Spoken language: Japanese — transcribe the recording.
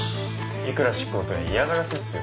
いくら執行とはいえ嫌がらせっすよ。